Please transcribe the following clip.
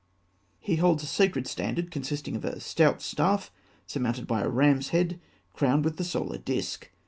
He holds a sacred standard consisting of a stout staff surmounted by a ram's head crowned with the solar disc.